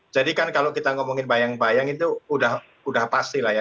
jadi kan kalau kita ngomongin bayang bayang itu sudah pasti lah ya